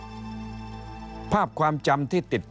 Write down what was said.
เพราะฉะนั้นท่านก็ออกโรงมาว่าท่านมีแนวทางที่จะทำเรื่องนี้ยังไง